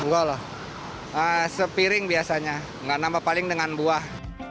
gak lah sepiring biasanya gak nambah paling dengan buah